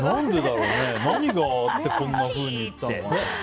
何があってこんなふうに言ったのかね。